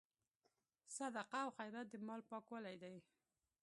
صدقه او خیرات د مال پاکوالی دی.